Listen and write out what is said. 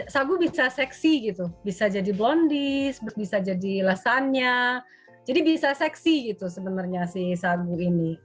sagu bisa seksi gitu bisa jadi blondis bisa jadi lasanya jadi bisa seksi gitu sebenarnya si sagu ini